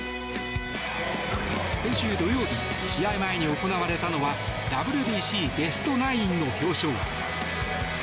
先週土曜日試合前に行われたのはＷＢＣベストナインの表彰。